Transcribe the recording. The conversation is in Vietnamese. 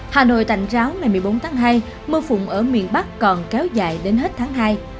hà nội tạnh ráo ngày một mươi bốn tháng hai mưa phụng ở miền bắc còn kéo dài đến hết tháng hai